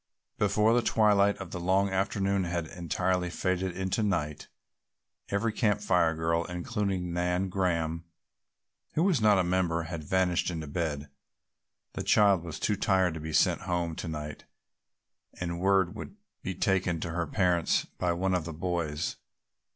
Before the twilight of the long afternoon had entirely faded into night, every Camp Fire girl, including Nan Graham, who was not a member, had vanished into bed. The child was too tired to be sent home to night and word would be taken to her parents by one of the boys.